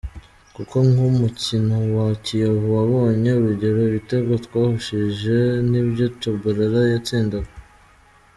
Kuko nk’umukino wa Kiyovu wabonye, urugero ibitego twahushije ni byo Tchabalala yatsindaga.